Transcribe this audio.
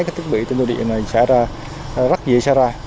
các thiết bị tên địa này sẽ rất dễ xảy ra